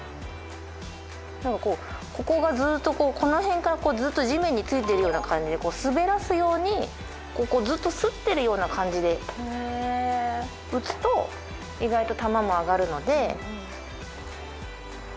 ここがずっとこの辺から地面についてるような感じで滑らすようにここをずっとすってるような感じで打つと意外と球も上がるので。